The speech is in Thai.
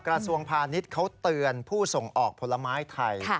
กระทรวงพาณิชย์เขาเตือนผู้ส่งออกผลไม้ไทย